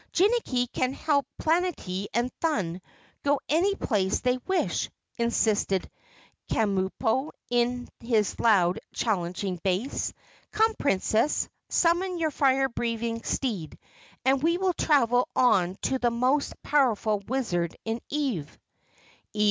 "Jinnicky can help Planetty and Thun go any place they wish," insisted Kabumpo in his loud challenging bass. "Come, Princess, summon your fire breathing steed, and we will travel on to the most powerful wizard in Ev." "Ev?